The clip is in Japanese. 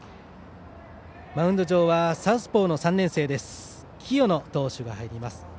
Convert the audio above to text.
マウンド上はサウスポーの３年生清野投手が入ります。